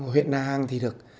huyện na hàng thì được